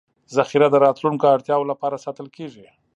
ذخیره د راتلونکو اړتیاوو لپاره ساتل کېږي.